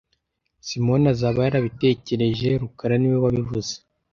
Simoni azaba yarabitekereje rukara niwe wabivuze